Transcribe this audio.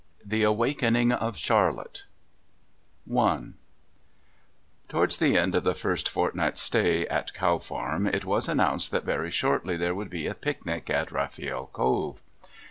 THE AWAKENING OF CHARLOTTE I Towards the end of the first fortnight's stay at Cow Farm it was announced that very shortly there would be a picnic at Rafiel Cove.